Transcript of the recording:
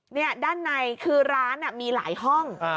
นี่ด้านในคือร้านมีหลายห้อง